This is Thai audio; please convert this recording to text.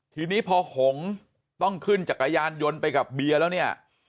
ทีนี้พอหงต้องขึ้นจักรยานยนต์ไปกับเบียร์แล้วเนี่ย